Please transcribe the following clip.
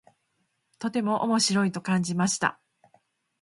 とても面白いと感じました。